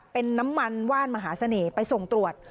เป็นน้ำมันว่านมหาเสน่ห์ไปส่งตรวจ